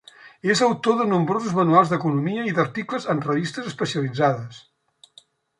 És autor de nombrosos manuals d'economia i d'articles en revistes especialitzades.